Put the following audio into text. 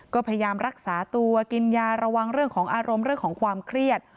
ก็พยายามรักษาตัวกินยาระวังเรื่องของอารมณ์เรื่องของความเครียด